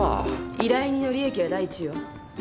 依頼人の利益が第一よ。